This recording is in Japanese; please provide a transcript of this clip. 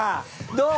どう？